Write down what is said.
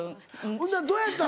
ほんならどうやったん？